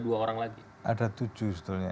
dua orang lagi ada tujuh sebetulnya